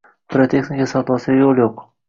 Pirotexnika savdosiga yo‘l yo‘qng